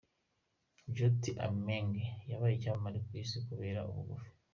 Joyti Amge yabaye icyamamare ku isi kubera ubugufi.